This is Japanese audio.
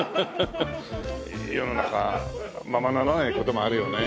世の中はままならない事もあるよね。